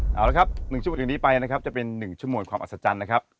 เอาละครับ๑ชั่วโมงถึงนี้ไปนะครับจะเป็น๑ชั่วโมงความอัศจรรย์นะครับ